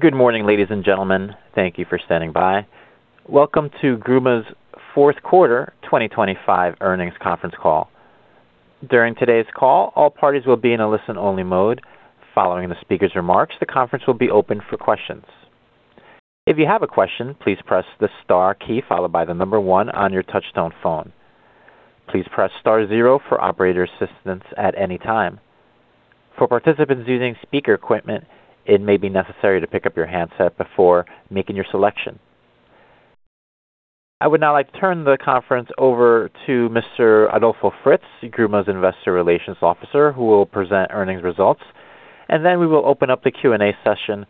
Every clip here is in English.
Good morning, ladies and gentlemen. Thank you for standing by. Welcome to Gruma's fourth quarter 2025 earnings conference call. During today's call, all parties will be in a listen-only mode. Following the speaker's remarks, the conference will be open for questions. If you have a question, please press the star key, followed by the number 1 on your touchtone phone. Please press star 0 for operator assistance at any time. For participants using speaker equipment, it may be necessary to pick up your handset before making your selection. I would now like to turn the conference over to Mr. Adolfo Fritz, Gruma's Investor Relations Officer, who will present earnings results, and then we will open up the Q&A session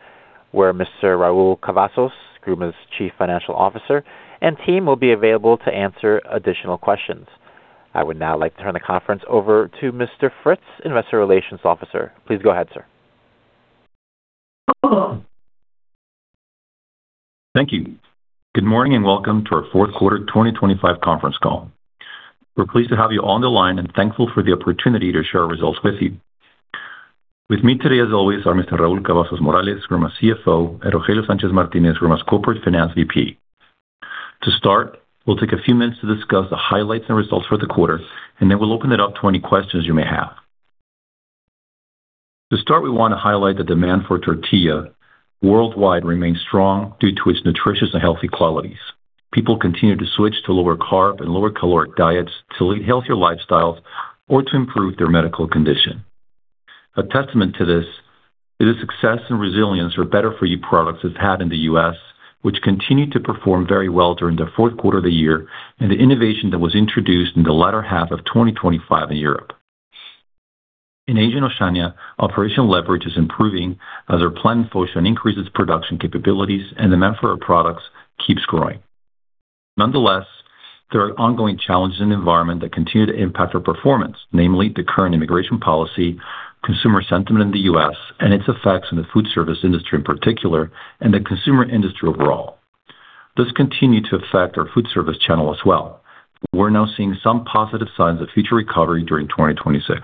where Mr. Raúl Cavazos, Gruma's Chief Financial Officer, and team will be available to answer additional questions. I would now like to turn the conference over to Mr. Fritz, Investor Relations Officer. Please go ahead, sir. Thank you. Good morning, and welcome to our fourth quarter 2025 conference call. We're pleased to have you on the line and thankful for the opportunity to share our results with you. With me today, as always, are Mr. Raúl Cavazos Morales, Gruma CFO, and Rogelio Sánchez Martínez, Gruma's Corporate Finance VP. To start, we'll take a few minutes to discuss the highlights and results for the quarter, and then we'll open it up to any questions you may have. To start, we want to highlight the demand for tortilla worldwide remains strong due to its nutritious and healthy qualities. People continue to switch to lower carb and lower caloric diets to lead healthier lifestyles or to improve their medical condition. A testament to this is the success and resilience for Better For You products has had in the U.S., which continued to perform very well during the fourth quarter of the year, and the innovation that was introduced in the latter half of 2025 in Europe. In Asia and Oceania, operational leverage is improving as our plant Foshan increases production capabilities and the demand for our products keeps growing. Nonetheless, there are ongoing challenges in the environment that continue to impact our performance, namely the current immigration policy, consumer sentiment in the U.S., and its effects on the food service industry in particular, and the consumer industry overall. This continued to affect our food service channel as well. We're now seeing some positive signs of future recovery during 2026.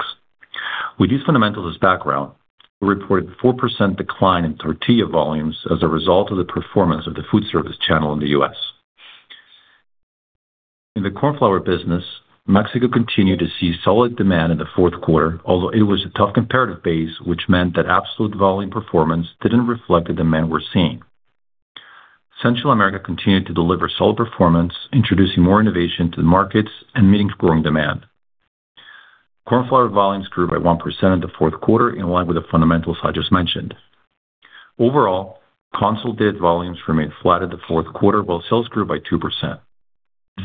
We use fundamentals as background. We reported 4% decline in tortilla volumes as a result of the performance of the food service channel in the U.S. In the corn flour business, Mexico continued to see solid demand in the fourth quarter, although it was a tough comparative base, which meant that absolute volume performance didn't reflect the demand we're seeing. Central America continued to deliver solid performance, introducing more innovation to the markets and meeting growing demand. Corn flour volumes grew by 1% in the fourth quarter, in line with the fundamentals I just mentioned. Overall, consolidated volumes remained flat at the fourth quarter, while sales grew by 2%.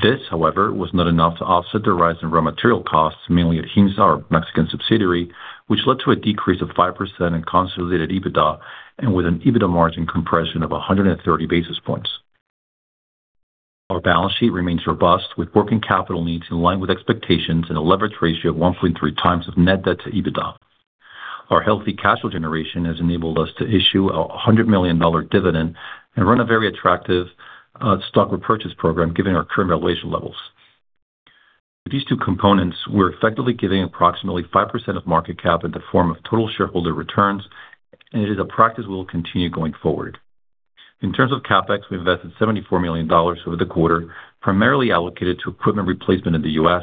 This, however, was not enough to offset the rise in raw material costs, mainly at GIMSA, our Mexican subsidiary, which led to a decrease of 5% in consolidated EBITDA and with an EBITDA margin compression of 130 basis points. Our balance sheet remains robust, with working capital needs in line with expectations and a leverage ratio of 1.3 times of net debt to EBITDA. Our healthy cash flow generation has enabled us to issue a $100 million dividend and run a very attractive, stock repurchase program, given our current valuation levels. With these two components, we're effectively giving approximately 5% of market cap in the form of total shareholder returns, and it is a practice we will continue going forward. In terms of CapEx, we invested $74 million over the quarter, primarily allocated to equipment replacement in the U.S.,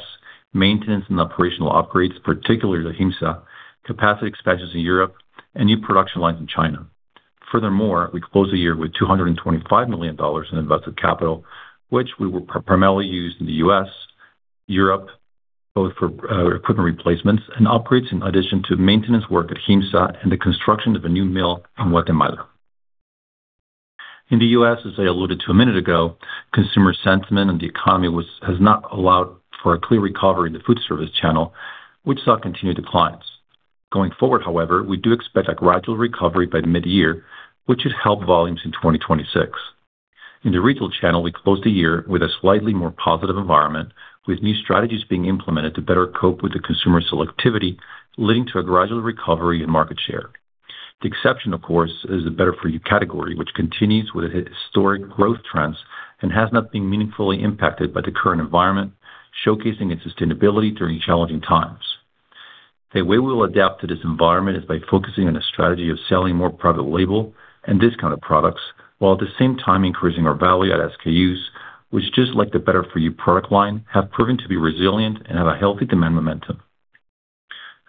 maintenance and operational upgrades, particularly to GIMSA, capacity expansions in Europe, and new production lines in China. Furthermore, we closed the year with $225 million in invested capital, which we will primarily use in the U.S., Europe, both for equipment replacements and upgrades, in addition to maintenance work at GIMSA and the construction of a new mill in Guatemala. In the U.S., as I alluded to a minute ago, consumer sentiment and the economy has not allowed for a clear recovery in the food service channel, which saw continued declines. Going forward, however, we do expect a gradual recovery by mid-year, which should help volumes in 2026. In the retail channel, we closed the year with a slightly more positive environment, with new strategies being implemented to better cope with the consumer selectivity, leading to a gradual recovery in market share. The exception, of course, is the Better-For-You category, which continues with its historic growth trends and has not been meaningfully impacted by the current environment, showcasing its sustainability during challenging times. The way we will adapt to this environment is by focusing on a strategy of selling more private label and discounted products, while at the same time increasing our value-add SKUs, which, just like the Better-For-You product line, have proven to be resilient and have a healthy demand momentum.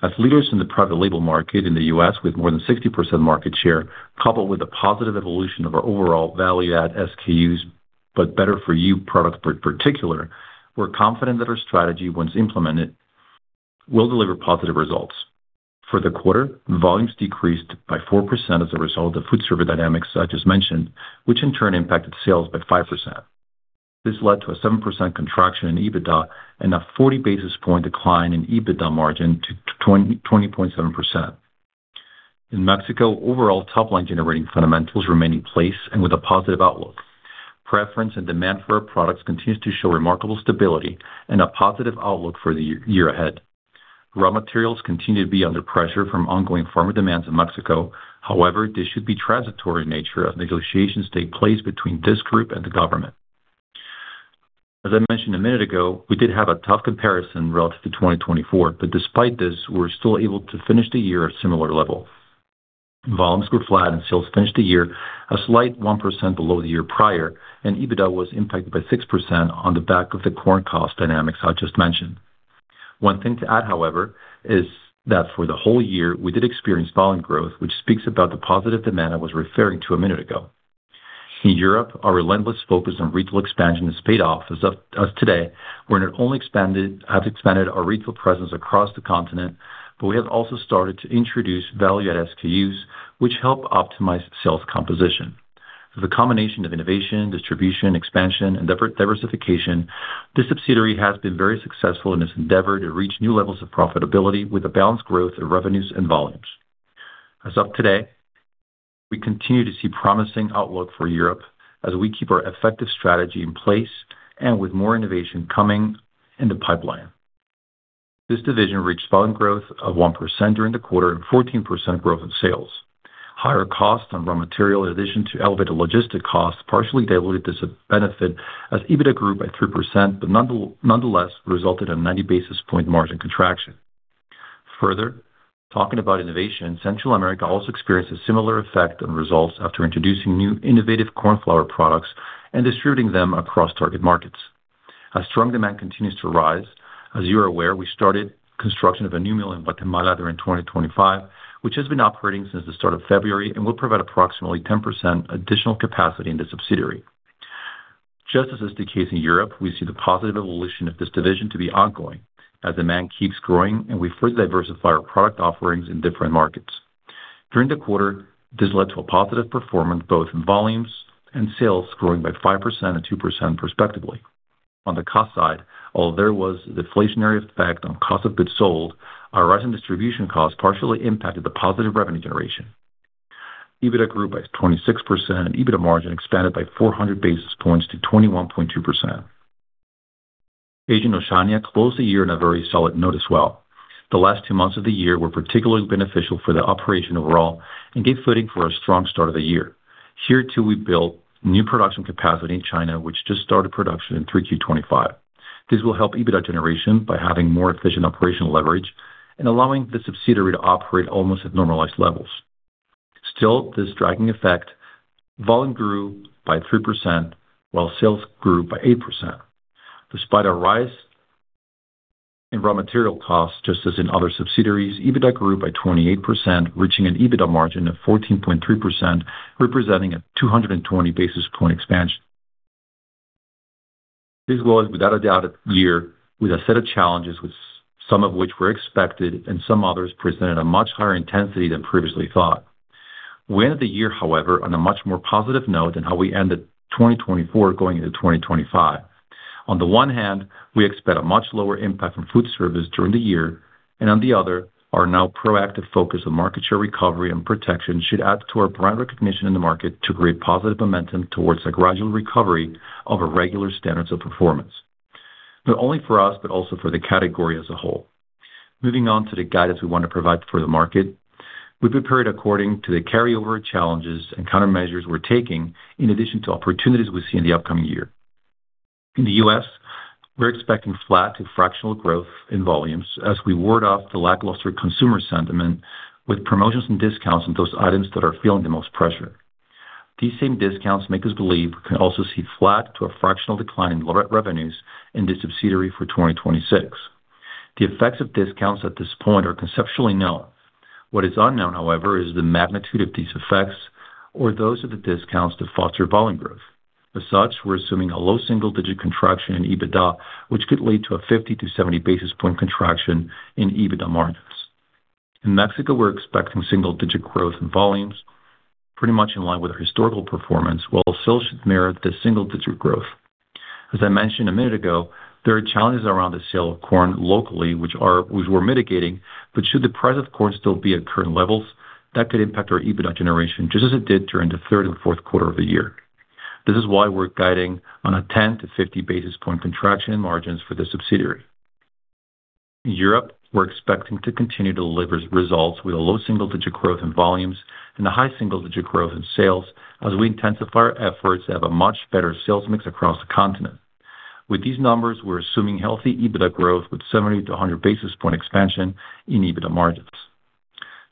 As leaders in the private label market in the U.S., with more than 60% market share, coupled with a positive evolution of our overall value-add SKUs, but Better-For-You products in particular, we're confident that our strategy, once implemented, will deliver positive results. For the quarter, volumes decreased by 4% as a result of food service dynamics I just mentioned, which in turn impacted sales by 5%. This led to a 7% contraction in EBITDA and a 40 basis point decline in EBITDA margin to 20.7%. In Mexico, overall top-line generating fundamentals remain in place and with a positive outlook. Preference and demand for our products continues to show remarkable stability and a positive outlook for the year ahead. Raw materials continue to be under pressure from ongoing farmer demands in Mexico. However, this should be transitory in nature as negotiations take place between this group and the government.... As I mentioned a minute ago, we did have a tough comparison relative to 2024, but despite this, we were still able to finish the year at similar levels. Volumes were flat, and sales finished the year a slight 1% below the year prior, and EBITDA was impacted by 6% on the back of the corn cost dynamics I just mentioned. One thing to add, however, is that for the whole year we did experience volume growth, which speaks about the positive demand I was referring to a minute ago. In Europe, our relentless focus on retail expansion has paid off. As of today, we not only have expanded our retail presence across the continent, but we have also started to introduce value-add SKUs, which help optimize sales composition. The combination of innovation, distribution, expansion, and diversification, this subsidiary has been very successful in its endeavor to reach new levels of profitability with a balanced growth of revenues and volumes. As of today, we continue to see promising outlook for Europe as we keep our effective strategy in place and with more innovation coming in the pipeline. This division reached volume growth of 1% during the quarter and 14% growth in sales. Higher costs on raw material, in addition to elevated logistic costs, partially diluted this benefit as EBITDA grew by 3%, but nonetheless, resulted in 90 basis point margin contraction. Further, talking about innovation, Central America also experienced a similar effect on results after introducing new innovative corn flour products and distributing them across target markets. As strong demand continues to rise, as you are aware, we started construction of a new mill in Guatemala during 2025, which has been operating since the start of February and will provide approximately 10% additional capacity in the subsidiary. Just as is the case in Europe, we see the positive evolution of this division to be ongoing as demand keeps growing and we further diversify our product offerings in different markets. During the quarter, this led to a positive performance, both in volumes and sales, growing by 5% and 2%, respectively. On the cost side, although there was an inflationary effect on cost of goods sold, our rise in distribution costs partially impacted the positive revenue generation. EBITDA grew by 26%, and EBITDA margin expanded by 400 basis points to 21.2%. Asia and Oceania closed the year on a very solid note as well. The last two months of the year were particularly beneficial for the operation overall and gave footing for a strong start of the year. Here, too, we built new production capacity in China, which just started production in 3Q25. This will help EBITDA generation by having more efficient operational leverage and allowing the subsidiary to operate almost at normalized levels. Still, this dragging effect. Volume grew by 3%, while sales grew by 8%. Despite a rise in raw material costs, just as in other subsidiaries, EBITDA grew by 28%, reaching an EBITDA margin of 14.3%, representing a 220 basis point expansion. This was, without a doubt, a year with a set of challenges, with some of which were expected and some others presented a much higher intensity than previously thought. We ended the year, however, on a much more positive note than how we ended 2024 going into 2025. On the one hand, we expect a much lower impact from food service during the year, and on the other, our now proactive focus on market share recovery and protection should add to our brand recognition in the market to create positive momentum towards a gradual recovery of our regular standards of performance, not only for us, but also for the category as a whole. Moving on to the guidance we want to provide for the market. We've prepared according to the carryover challenges and countermeasures we're taking, in addition to opportunities we see in the upcoming year. In the U.S., we're expecting flat to fractional growth in volumes as we ward off the lackluster consumer sentiment with promotions and discounts on those items that are feeling the most pressure. These same discounts make us believe we can also see flat to a fractional decline in lower revenues in this subsidiary for 2026. The effects of discounts at this point are conceptually known. What is unknown, however, is the magnitude of these effects or those of the discounts to foster volume growth. As such, we're assuming a low single-digit contraction in EBITDA, which could lead to a 50-70 basis point contraction in EBITDA margins. In Mexico, we're expecting single-digit growth in volumes, pretty much in line with our historical performance, while sales should mirror the single-digit growth. As I mentioned a minute ago, there are challenges around the sale of corn locally, which are, we're mitigating, but should the price of corn still be at current levels, that could impact our EBITDA generation, just as it did during the third and fourth quarter of the year. This is why we're guiding on a 10-50 basis point contraction in margins for this subsidiary. In Europe, we're expecting to continue to deliver results with a low single-digit growth in volumes and a high single-digit growth in sales as we intensify our efforts to have a much better sales mix across the continent. With these numbers, we're assuming healthy EBITDA growth with 70-100 basis point expansion in EBITDA margins.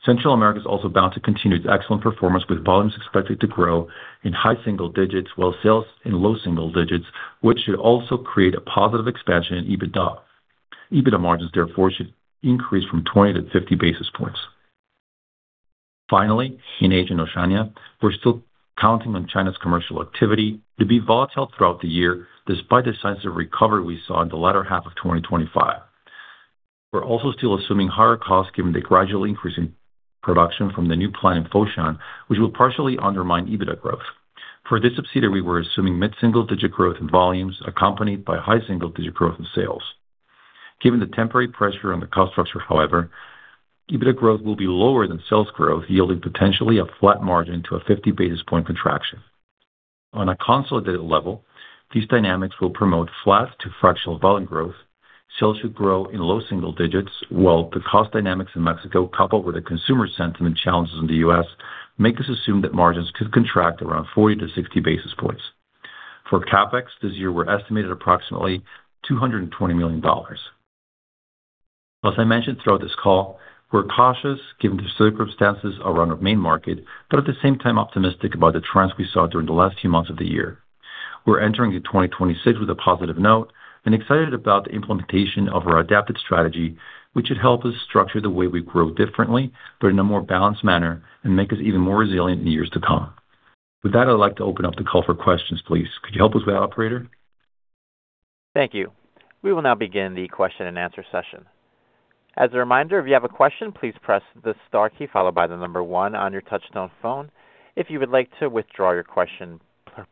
Central America is also bound to continue its excellent performance, with volumes expected to grow in high single digits, while sales in low single digits, which should also create a positive expansion in EBITDA. EBITDA margins, therefore, should increase from 20-50 basis points. Finally, in Asia and Oceania, we're still counting on China's commercial activity to be volatile throughout the year, despite the signs of recovery we saw in the latter half of 2025. We're also still assuming higher costs given the gradually increasing production from the new plant in Foshan, which will partially undermine EBITDA growth. For this subsidiary, we're assuming mid-single-digit growth in volumes, accompanied by high single-digit growth in sales. Given the temporary pressure on the cost structure, however, EBITDA growth will be lower than sales growth, yielding potentially a flat margin to a 50 basis point contraction. On a consolidated level, these dynamics will promote flat to fractional volume growth... Sales should grow in low single digits, while the cost dynamics in Mexico, coupled with the consumer sentiment challenges in the U.S., make us assume that margins could contract around 40-60 basis points. For CapEx, this year we're estimated approximately $220 million. As I mentioned throughout this call, we're cautious given the circumstances around our main market, but at the same time optimistic about the trends we saw during the last few months of the year. We're entering into 2026 with a positive note and excited about the implementation of our adapted strategy, which should help us structure the way we grow differently, but in a more balanced manner and make us even more resilient in the years to come. With that, I'd like to open up the call for questions, please. Could you help us with that, operator? Thank you. We will now begin the question-and-answer session. As a reminder, if you have a question, please press the star key followed by the number 1 on your touch-tone phone. If you would like to withdraw your question,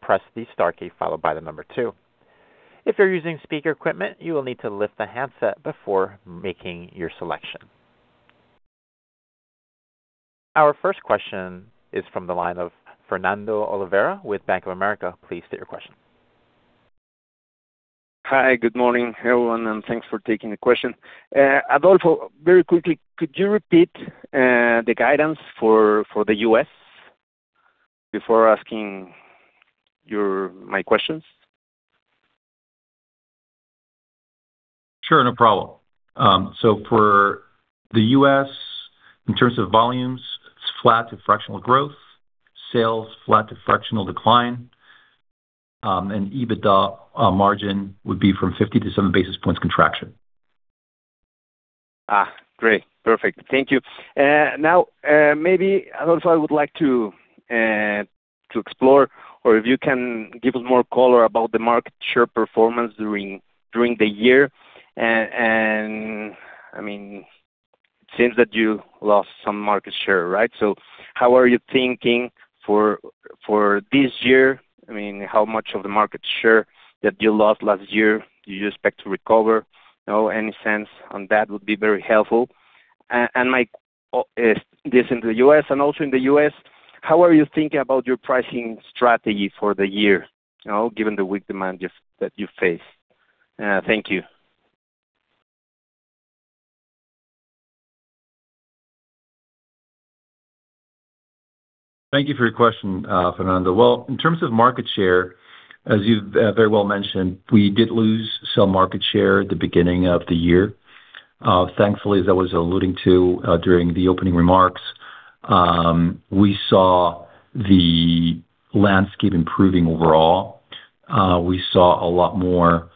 press the star key followed by the number 2. If you're using speaker equipment, you will need to lift the handset before making your selection. Our first question is from the line of Fernando Olvera with Bank of America. Please state your question. Hi, good morning, everyone, and thanks for taking the question. Adolfo, very quickly, could you repeat the guidance for the U.S. before asking your... my questions? Sure, no problem. So for the U.S., in terms of volumes, it's flat to fractional growth, sales, flat to fractional decline, and EBITDA margin would be from 50 to 70 basis points contraction. Ah, great. Perfect. Thank you. Now, maybe, Adolfo, I would like to explore or if you can give us more color about the market share performance during the year. And, I mean, it seems that you lost some market share, right? So how are you thinking for this year? I mean, how much of the market share that you lost last year do you expect to recover? Any sense on that would be very helpful. And Maseca in the U.S. and also in the U.S., how are you thinking about your pricing strategy for the year, you know, given the weak demand that you face? Thank you. Thank you for your question, Fernando. Well, in terms of market share, as you've very well mentioned, we did lose some market share at the beginning of the year. Thankfully, as I was alluding to during the opening remarks, we saw the landscape improving overall. We saw a lot more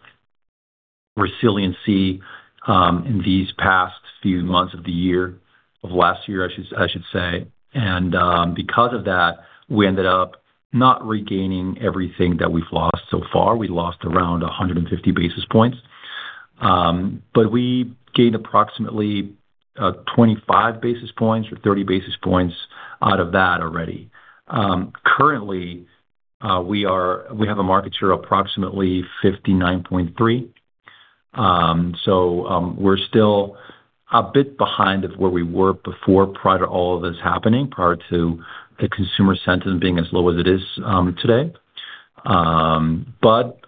resiliency in these past few months of the year, of last year, I should say. And because of that, we ended up not regaining everything that we've lost so far. We lost around 150 basis points, but we gained approximately 25 basis points or 30 basis points out of that already. Currently, we have a market share approximately 59.3. So, we're still a bit behind of where we were before, prior to all of this happening, prior to the consumer sentiment being as low as it is today. But,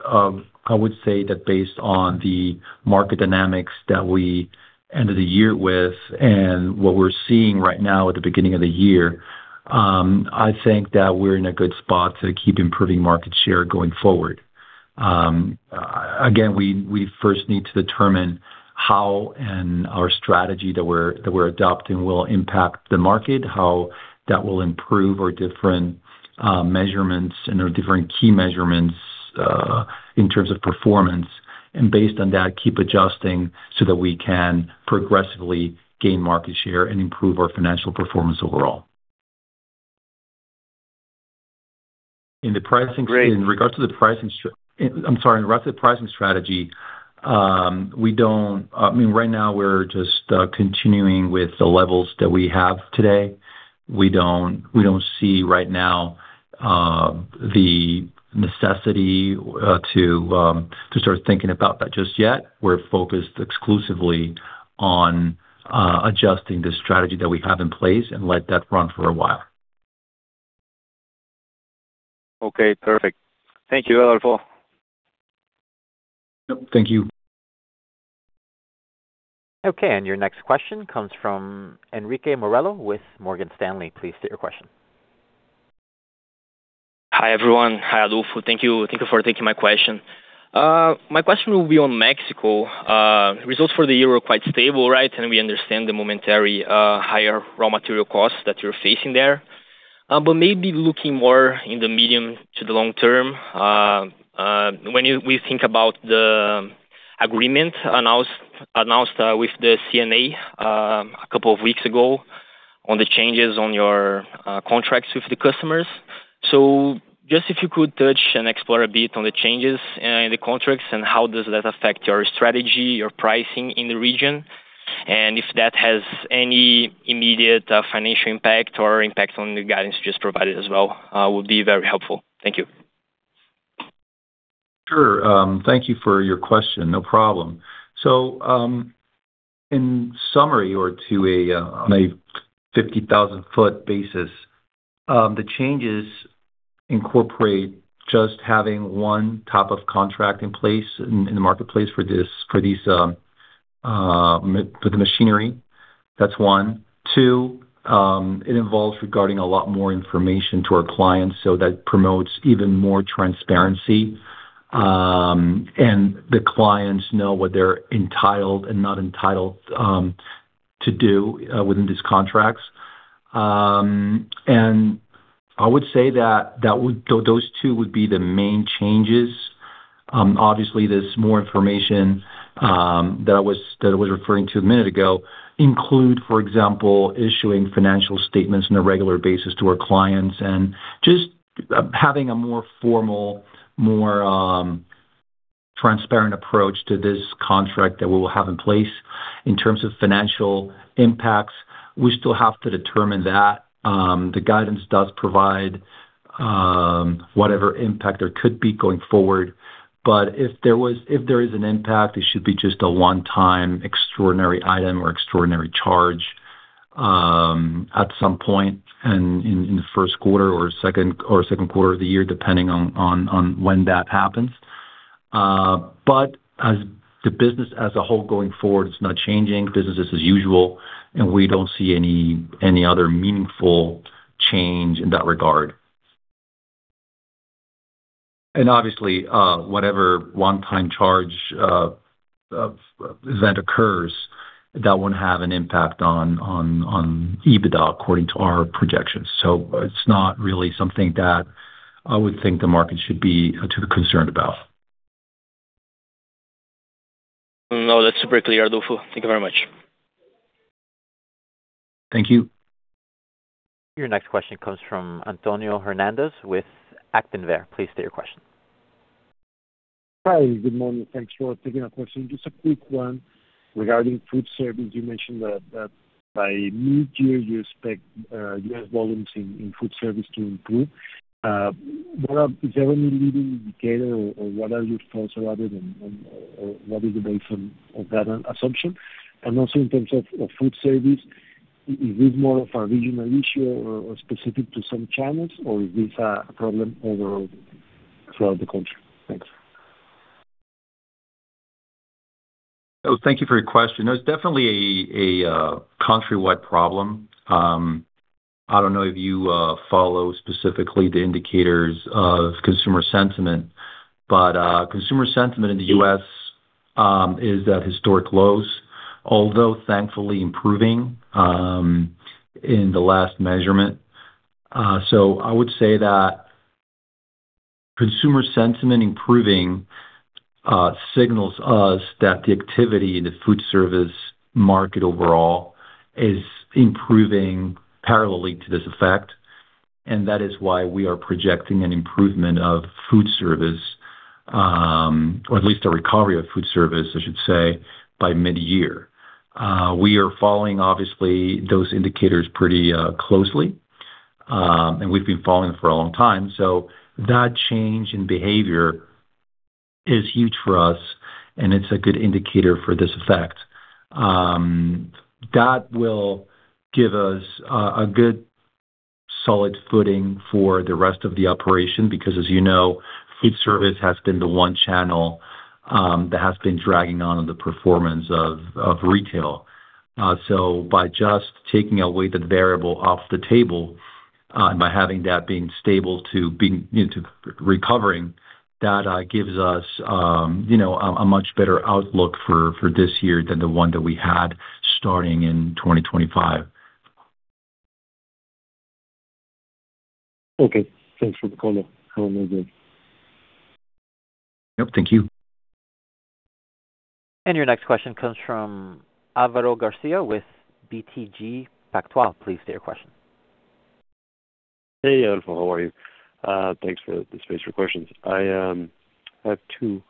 I would say that based on the market dynamics that we ended the year with and what we're seeing right now at the beginning of the year, I think that we're in a good spot to keep improving market share going forward. Again, we first need to determine how and our strategy that we're adopting will impact the market, how that will improve our different measurements and our different key measurements in terms of performance, and based on that, keep adjusting so that we can progressively gain market share and improve our financial performance overall. In the pricing- Great. In regards to the pricing strategy, I'm sorry, in regards to the pricing strategy, we don't, I mean, right now, we're just continuing with the levels that we have today. We don't, we don't see right now the necessity to to start thinking about that just yet. We're focused exclusively on adjusting the strategy that we have in place and let that run for a while. Okay, perfect. Thank you, Adolfo. Yep, thank you. Okay, and your next question comes from Henrique Morello with Morgan Stanley. Please state your question. Hi, everyone. Hi, Adolfo. Thank you. Thank you for taking my question. My question will be on Mexico. Results for the year were quite stable, right? And we understand the momentary higher raw material costs that you're facing there. But maybe looking more in the medium to the long term, when we think about the agreement announced, announced with the CNA, a couple of weeks ago on the changes on your contracts with the customers. So just if you could touch and explore a bit on the changes in the contracts and how does that affect your strategy, your pricing in the region, and if that has any immediate financial impact or impact on the guidance you just provided as well, would be very helpful. Thank you. Sure. Thank you for your question. No problem. In summary, or to a on a 50,000-foot basis, the changes incorporate just having one type of contract in place in the marketplace for the machinery. That's one. Two, it involves reporting a lot more information to our clients, so that promotes even more transparency. And the clients know what they're entitled and not entitled to do within these contracts. And I would say that those two would be the main changes. Obviously, there's more information that I was referring to a minute ago, including, for example, issuing financial statements on a regular basis to our clients and just having a more formal, more transparent approach to this contract that we will have in place. In terms of financial impacts, we still have to determine that. The guidance does provide whatever impact there could be going forward, but if there is an impact, it should be just a one-time extraordinary item or extraordinary charge at some point and in the first quarter or second quarter of the year, depending on when that happens. But as the business as a whole going forward, it's not changing. Business is as usual, and we don't see any other meaningful change in that regard. Obviously, whatever one-time charge that occurs, that won't have an impact on EBITDA according to our projections. So it's not really something that I would think the market should be too concerned about. No, that's super clear, Adolfo. Thank you very much. Thank you. Your next question comes from Antonio Hernandez with Actinver. Please state your question. Hi. Good morning. Thanks for taking our question. Just a quick one regarding food service. You mentioned that by mid-year, you expect U.S. volumes in food service to improve. Is there any leading indicator or what are your thoughts about it and what is the basis of that assumption? Also in terms of food service, is this more of a regional issue or specific to some channels, or is this a problem overall throughout the country? Thanks. Oh, thank you for your question. There's definitely a countrywide problem. I don't know if you follow specifically the indicators of consumer sentiment, but consumer sentiment in the U.S. is at historic lows, although thankfully improving in the last measurement. So I would say that consumer sentiment improving signals us that the activity in the food service market overall is improving parallelly to this effect, and that is why we are projecting an improvement of food service, or at least a recovery of food service, I should say, by mid-year. We are following, obviously, those indicators pretty closely, and we've been following them for a long time. So that change in behavior is huge for us, and it's a good indicator for this effect. That will give us a good solid footing for the rest of the operation, because, as you know, food service has been the one channel that has been dragging on the performance of retail. So by just taking away the variable off the table, and by having that being stable to being, you know, to recovering, that gives us, you know, a much better outlook for this year than the one that we had starting in 2025. Okay. Thanks for the call. Have a nice day. Yep, thank you. Your next question comes from Alvaro Garcia with BTG Pactual. Please state your question. Hey, Adolfo, how are you? Thanks for the space for questions. I have two.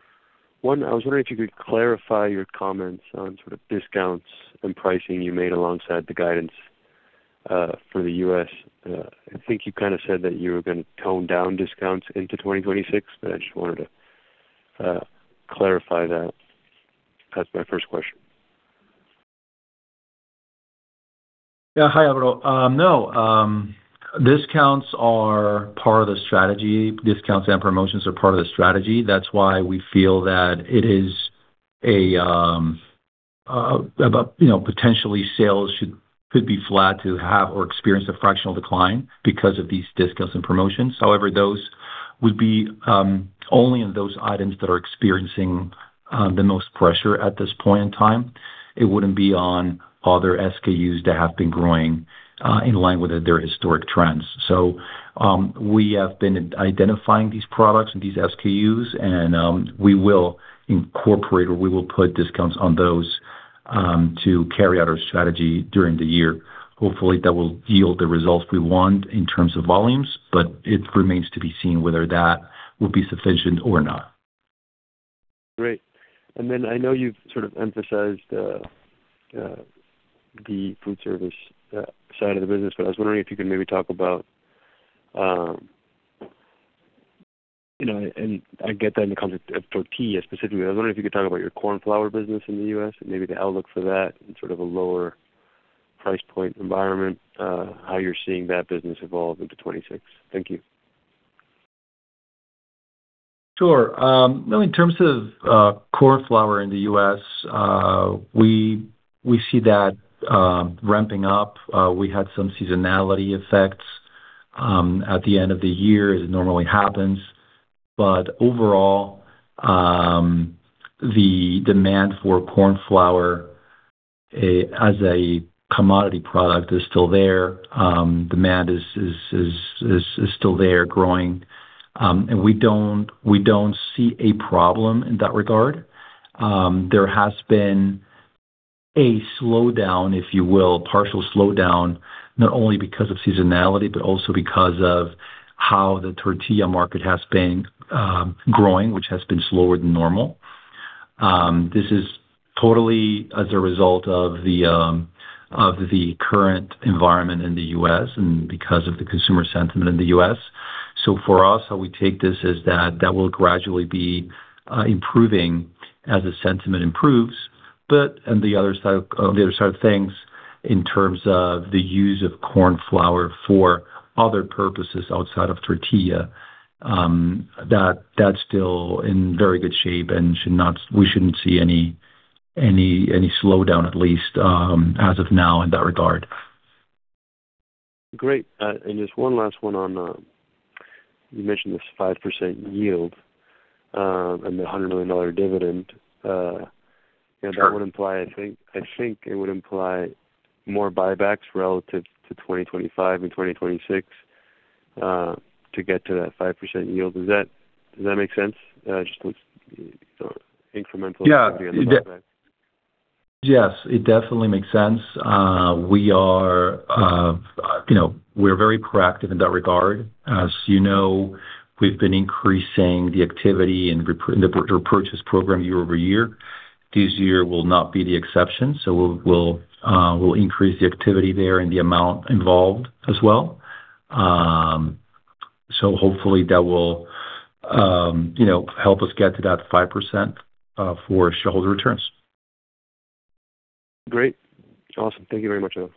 One, I was wondering if you could clarify your comments on sort of discounts and pricing you made alongside the guidance for the US. I think you kind of said that you were going to tone down discounts into 2026, but I just wanted to clarify that. That's my first question. Yeah. Hi, Alvaro. No, discounts are part of the strategy. Discounts and promotions are part of the strategy. That's why we feel that it is about, you know, potentially sales could be flat to half or experience a fractional decline because of these discounts and promotions. However, those would be only in those items that are experiencing the most pressure at this point in time. It wouldn't be on other SKUs that have been growing in line with their historic trends. So, we have been identifying these products and these SKUs, and we will incorporate or we will put discounts on those to carry out our strategy during the year. Hopefully, that will yield the results we want in terms of volumes, but it remains to be seen whether that will be sufficient or not. Great. And then I know you've sort of emphasized the food service side of the business, but I was wondering if you could maybe talk about. You know, and I get that in the context of tortilla specifically, I was wondering if you could talk about your corn flour business in the U.S. and maybe the outlook for that in sort of a lower price point environment, how you're seeing that business evolve into 2026. Thank you. Sure. Well, in terms of corn flour in the U.S., we see that ramping up. We had some seasonality effects at the end of the year, as it normally happens. But overall, the demand for corn flour as a commodity product is still there. Demand is still there growing, and we don't see a problem in that regard. There has been a slowdown, if you will, partial slowdown, not only because of seasonality, but also because of how the tortilla market has been growing, which has been slower than normal. This is totally as a result of the current environment in the U.S. and because of the consumer sentiment in the U.S. So for us, how we take this is that that will gradually be improving as the sentiment improves. But on the other side of things, in terms of the use of corn flour for other purposes outside of tortilla, that's still in very good shape and we shouldn't see any slowdown, at least, as of now in that regard. Great. And just one last one on, you mentioned this 5% yield, and the $100 million dividend. Sure. and that would imply, I think, I think it would imply more buybacks relative to 2025 and 2026, to get to that 5% yield. Does that, does that make sense? Just looks so incremental. Yeah. Buyback. Yes, it definitely makes sense. We are, you know, we're very proactive in that regard. As you know, we've been increasing the activity and the repurchase program year over year. This year will not be the exception, so we'll increase the activity there and the amount involved as well. So hopefully that will, you know, help us get to that 5% for shareholder returns. Great. Awesome. Thank you very much, Adolfo.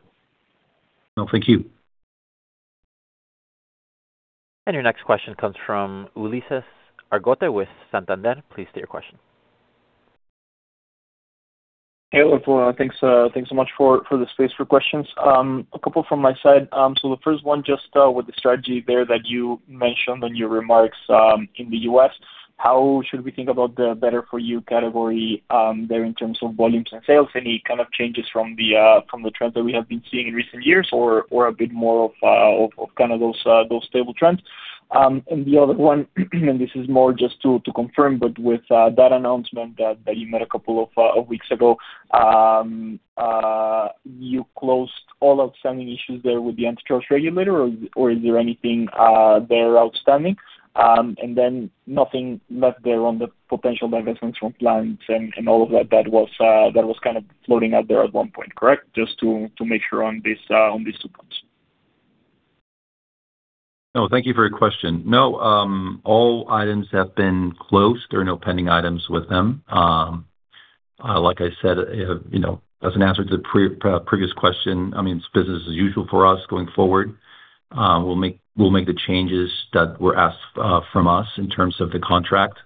No, thank you. Your next question comes from Ulises Argote with Santander. Please state your question. Hey, Adolfo, thanks, thanks so much for, for the space for questions. A couple from my side. So the first one, just, with the strategy there that you mentioned in your remarks, in the U.S., how should we think about the Better For You category there in terms of volumes and sales? Any kind of changes from the, from the trends that we have been seeing in recent years, or, or a bit more of, of, of kind of those, those stable trends? And the other one, and this is more just to, to confirm, but with, that announcement that, that you made a couple of, weeks ago, you closed all outstanding issues there with the antitrust regulator, or, or is there anything, there outstanding? And then nothing left there on the potential divestments from plants and all of that, that was kind of floating out there at one point, correct? Just to make sure on this, on these two points. No, thank you for your question. No, all items have been closed. There are no pending items with them. Like I said, you know, as an answer to the previous question, I mean, it's business as usual for us going forward. We'll make the changes that were asked from us in terms of the contract,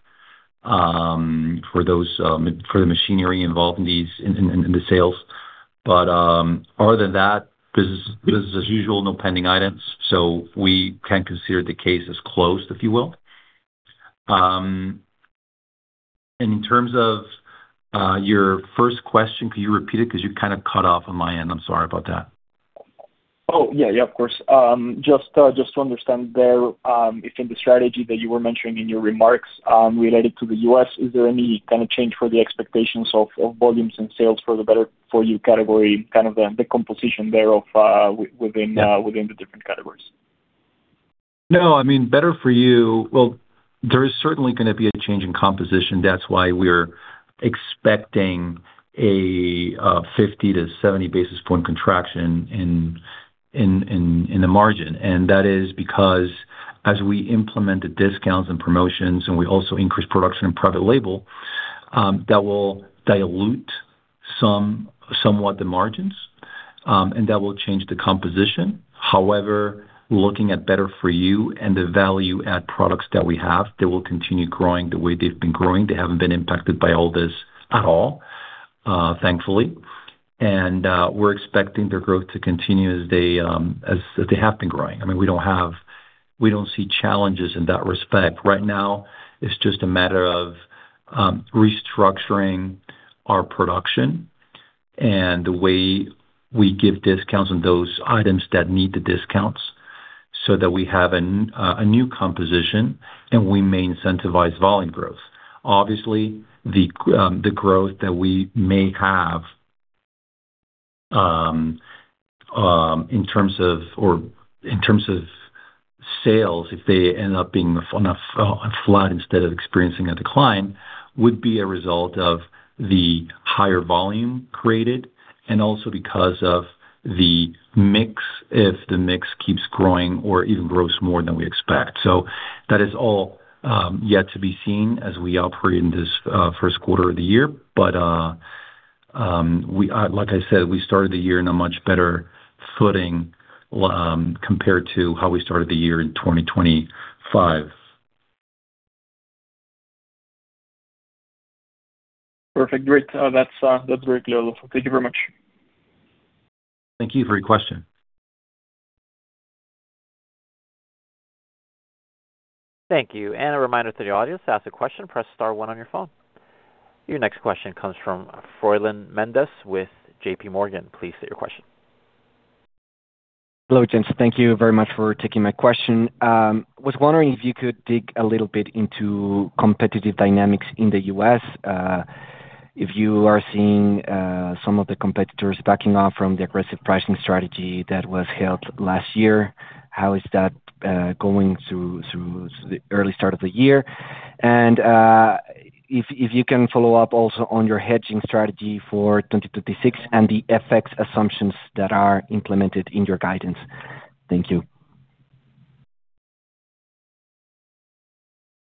for those for the machinery involved in these in the sales. But, other than that, business, business as usual, no pending items, so we can consider the case as closed, if you will. And in terms of your first question, could you repeat it? Because you kind of cut off on my end. I'm sorry about that. Oh, yeah, yeah, of course. Just to understand there, if in the strategy that you were mentioning in your remarks related to the U.S., is there any kind of change for the expectations of volumes and sales for the Better For You category, kind of the composition thereof within the different categories? No, I mean, Better For You... Well, there is certainly gonna be a change in composition. That's why we're expecting a 50-70 basis point contraction in the margin. And that is because as we implement the discounts and promotions and we also increase production in private label, that will dilute somewhat the margins, and that will change the composition. However, looking at Better For You and the value-add products that we have, they will continue growing the way they've been growing. They haven't been impacted by all this at all, thankfully. And, we're expecting their growth to continue as they have been growing. I mean, we don't see challenges in that respect. Right now, it's just a matter of restructuring our production and the way we give discounts on those items that need the discounts, so that we have a new composition, and we may incentivize volume growth. Obviously, the growth that we may have in terms of sales, if they end up being on a flat instead of experiencing a decline, would be a result of the higher volume created and also because of the mix, if the mix keeps growing or even grows more than we expect. So that is all yet to be seen as we operate in this first quarter of the year. But we, like I said, we started the year in a much better footing compared to how we started the year in 2025. Perfect. Great. That's, that's very clear. Thank you very much. Thank you for your question. Thank you. A reminder to the audience, to ask a question, press star one on your phone. Your next question comes from Froylan Mendez with JP Morgan. Please state your question. Hello, gents. Thank you very much for taking my question. Was wondering if you could dig a little bit into competitive dynamics in the U.S. If you are seeing some of the competitors backing off from the aggressive pricing strategy that was held last year, how is that going through the early start of the year? And if you can follow up also on your hedging strategy for 2026 and the FX assumptions that are implemented in your guidance. Thank you.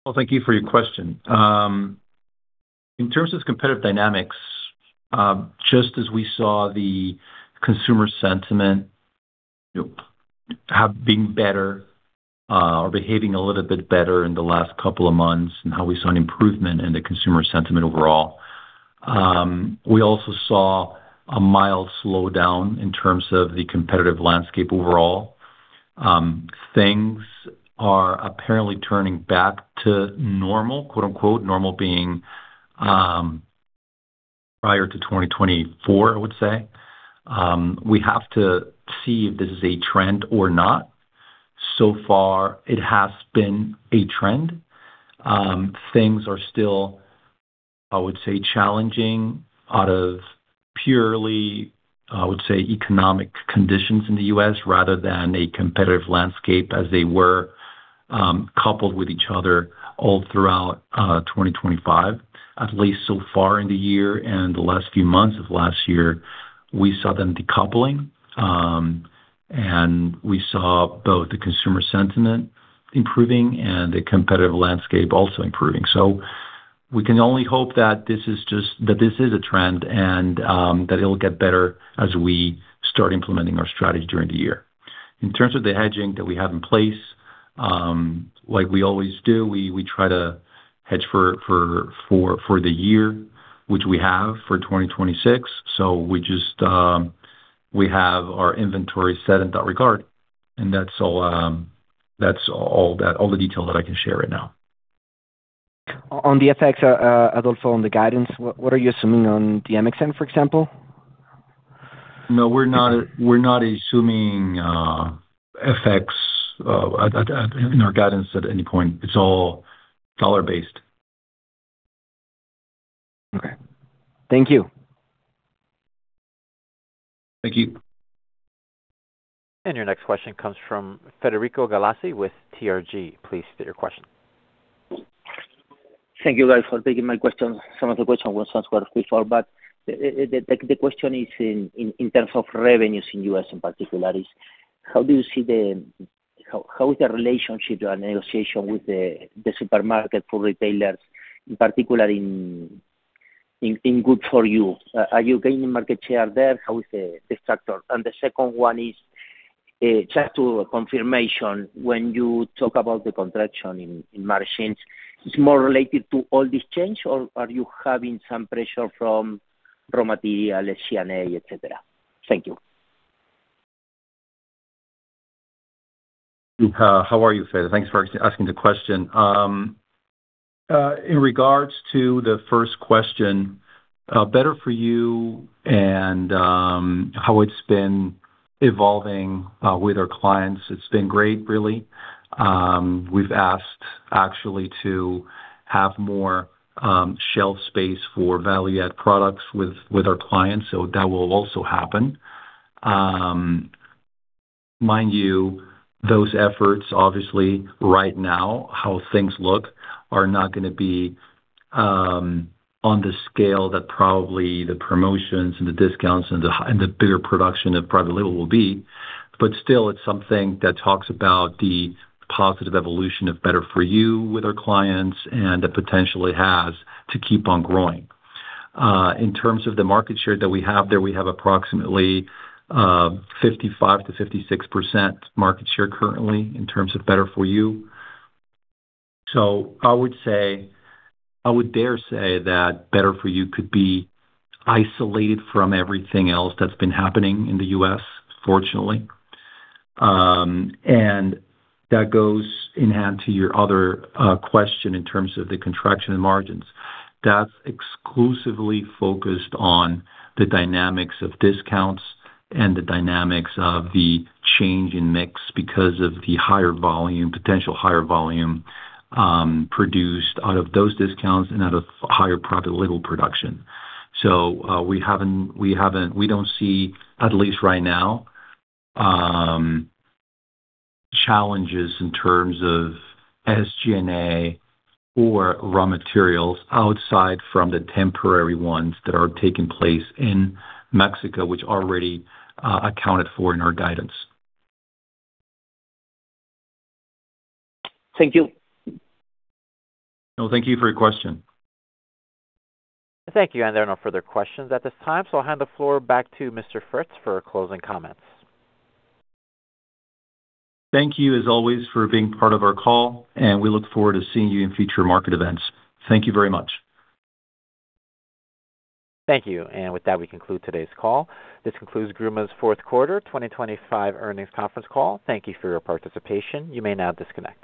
Well, thank you for your question. In terms of competitive dynamics, just as we saw the consumer sentiment, you know, have been better, or behaving a little bit better in the last couple of months and how we saw an improvement in the consumer sentiment overall, we also saw a mild slowdown in terms of the competitive landscape overall. Things are apparently turning back to normal, quote-unquote, normal being, prior to 2024, I would say. We have to see if this is a trend or not. So far, it has been a trend. Things are still, I would say, challenging out of purely, I would say, economic conditions in the U.S. rather than a competitive landscape as they were coupled with each other all throughout 2025, at least so far in the year and the last few months of last year, we saw them decoupling. We saw both the consumer sentiment improving and the competitive landscape also improving. So we can only hope that this is just a trend and that it'll get better as we start implementing our strategy during the year. In terms of the hedging that we have in place, like we always do, we try to hedge for the year, which we have for 2026. We just have our inventory set in that regard, and that's all the detail that I can share right now. On the FX, Adolfo, on the guidance, what are you assuming on the MXN, for example? No, we're not. We're not assuming FX in our guidance at any point. It's all dollar-based. Okay. Thank you. Thank you. Your next question comes from Federico Galassi with TRG. Please state your question. Thank you, guys, for taking my question. Some of the question was answered before, but the question is in terms of revenues in U.S., in particular, is how do you see the... How is the relationship or negotiation with the supermarket for retailers, in particular in Better For You? Are you gaining market share there? How is the structure? And the second one is just to confirmation, when you talk about the contraction in margins, is more related to all this change, or are you having some pressure from raw material, CNA, et cetera? Thank you. How are you, Federico? Thanks for asking the question. In regards to the first question, Better For You and how it's been evolving with our clients, it's been great, really. We've asked actually to have more shelf space for value-add products with our clients, so that will also happen. Mind you, those efforts, obviously, right now, how things look are not gonna be on the scale that probably the promotions and the discounts and the bigger production of private label will be. But still, it's something that talks about the positive evolution of Better For You with our clients and the potential it has to keep on growing. In terms of the market share that we have there, we have approximately 55%-56% market share currently in terms of Better For You. So I would say, I would dare say that Better For You could be isolated from everything else that's been happening in the U.S., fortunately. And that goes hand in hand with your other question in terms of the contraction in margins. That's exclusively focused on the dynamics of discounts and the dynamics of the change in mix because of the higher volume, potential higher volume, produced out of those discounts and out of higher private label production. So, we don't see, at least right now, challenges in terms of SG&A or raw materials outside from the temporary ones that are taking place in Mexico, which are already accounted for in our guidance. Thank you. No, thank you for your question. Thank you. There are no further questions at this time, so I'll hand the floor back to Mr. Fritz for closing comments. Thank you, as always, for being part of our call, and we look forward to seeing you in future market events. Thank you very much. Thank you. With that, we conclude today's call. This concludes Gruma's fourth quarter 2025 earnings conference call. Thank you for your participation. You may now disconnect.